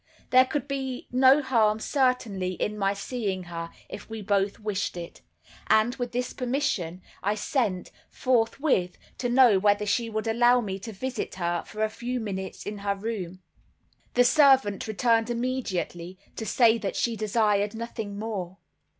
There could be no harm certainly in my seeing her, if we both wished it; and, with this permission I sent, forthwith, to know whether she would allow me to visit her for a few minutes in her room. The servant returned immediately to say that she desired nothing more.